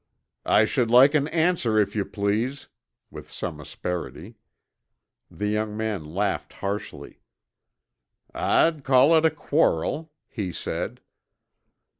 "I should like an answer, if you please," with some asperity. The young man laughed harshly. "I'd call it a quarrel," he said.